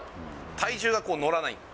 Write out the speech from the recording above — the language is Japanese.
体重がこう、乗らない。